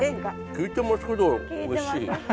きいてますけどおいしい。